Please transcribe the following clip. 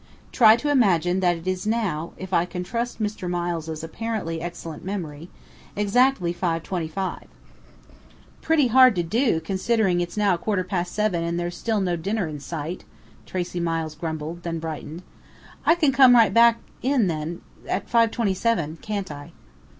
Try to imagine that it is now if I can trust Mr. Miles' apparently excellent memory exactly 5:25 " "Pretty hard to do, considering it's now a quarter past seven and there's still no dinner in sight," Tracey Miles grumbled, then brightened: "I can come right back in then at 5:27, can't I?"